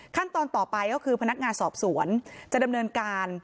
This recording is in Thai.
ขั้นตอนต่อไปก็คือพนักงานสอบสวนจะดำเนินการ